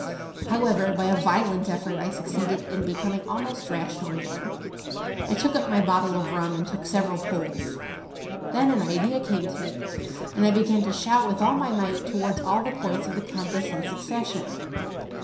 However, by a violent effort I succeeded in becoming almost rational again. I took up my bottle of rum and took several pulls. Then an idea came to me, and I began to shout with all my might towards all the points of the compass in succession.